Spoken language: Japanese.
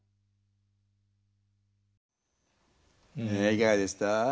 いかがでした？